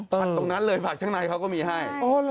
ผักตรงนั้นเลยผักข้างในเขาก็มีให้